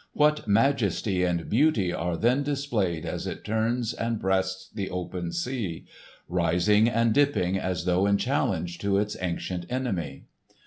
What majesty and beauty are then displayed as it turns and breasts the open sea—rising and dipping as though in challenge to its ancient enemy!